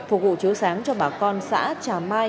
phục vụ chiếu sáng cho bà con xã trà mai